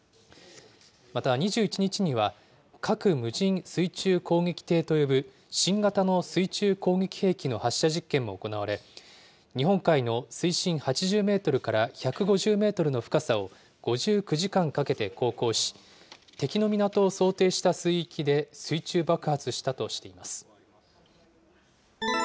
また２１日には、核無人水中攻撃艇と呼ぶ新型の水中攻撃兵器の発射実験も行われ、日本海の水深８０メートルから１５０メートルの深さを、５９時間かけて航行し、敵の港を想定した水域で水中爆発したとしています。